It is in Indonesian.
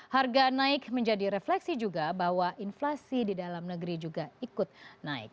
harga naik menjadi refleksi juga bahwa inflasi di dalam negeri juga ikut naik